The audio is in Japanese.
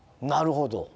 なるほど。